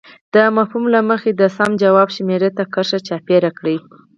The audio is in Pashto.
د مفهوم له مخې د سم ځواب شمیرې ته کرښه چاپېر کړئ.